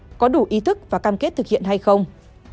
các đối tượng phải đủ ý thức và cam kết thực hiện hay không